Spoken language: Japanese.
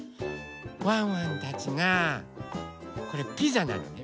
ワンワンたちがこれピザなのね。